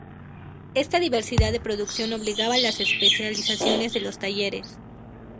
Esta diversidad de producción obligaba a la especialización de los talleres.